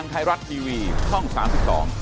สวัสดีครับ